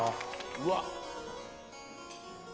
うわっ！